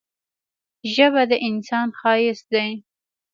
ژبه د انسان ښايست دی.